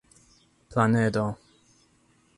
planedo